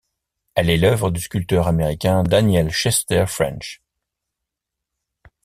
Elle est l'œuvre du sculpteur américain Daniel Chester French.